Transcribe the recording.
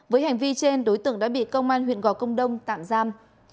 với hành vi trên đối tượng đã bị công an huyện gò công đông tạm giam